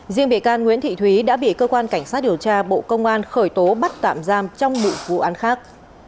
riêng bị can nguyễn thị thúy đã bị cơ quan cảnh sát điều tra bộ công an khởi tố bắt tạm giam trong một vụ án khác